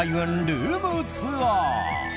ルームツアー！